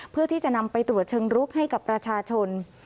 เพื่อที่จะนำไปตรวจเชิงรุกให้กับประชาชน